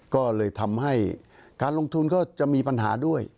ก็เลยทำให้การลงทุนก็จะมีปัญหาด้วย